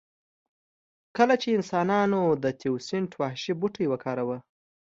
کله چې انسانانو د تیوسینټ وحشي بوټی وکاراوه